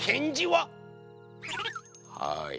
はい。